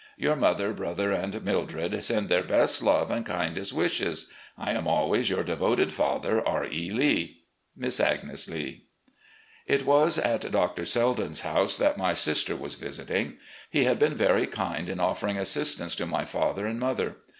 Your mother, brother, and Mildred send their best love and kindest wishes. I am always, "Your devoted father, R. E. Lee. "Miss Agnes Lee.'' It was at Dr. Selden's house that my sister was visiting. He had been very kind in offering assistance to my father and mother.